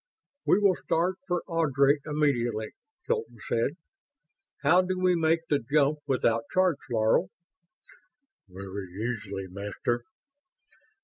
"We will start for Ardry immediately," Hilton said. "How do we make that jump without charts, Laro?" "Very easily, Master.